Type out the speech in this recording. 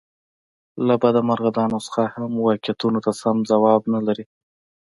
له بده مرغه دا نسخه هم واقعیتونو ته سم ځواب نه لري.